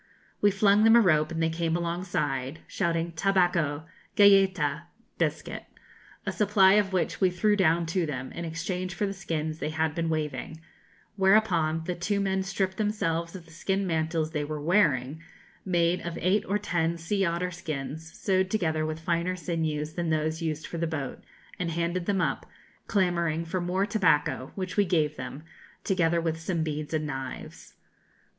We flung them a rope, and they came alongside, shouting 'Tabáco, galléta' (biscuit), a supply of which we threw down to them, in exchange for the skins they had been waving; whereupon the two men stripped themselves of the skin mantles they were wearing, made of eight or ten sea otter skins sewed together with finer sinews than those used for the boat, and handed them up, clamouring for more tobacco, which we gave them, together with some beads and knives.